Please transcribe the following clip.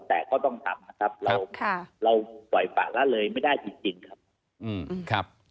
แต่ก็ต้องทำนะครับเราปล่อยปะละเลยไม่ได้จริงครับ